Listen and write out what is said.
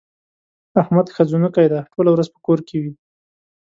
احمد ښځنوکی دی؛ ټوله ورځ په کور کې وي.